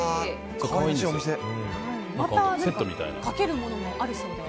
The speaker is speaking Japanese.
また、かけるものがあるそうで。